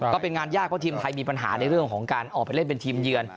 ก็เป็นงานยากเพราะทีมไทยมีปัญหาในเรื่องของการออกไปเล่นเป็นทีมเยือน